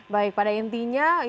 baik pada intinya ya itu tadi